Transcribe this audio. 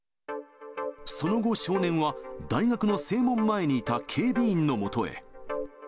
その後、少年は大学の正門前にいた警備員のもとへ。